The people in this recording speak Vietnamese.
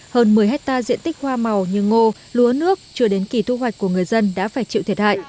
hơn một mươi hectare diện tích hoa màu như ngô lúa nước chưa đến kỳ thu hoạch của người dân đã phải chịu thiệt hại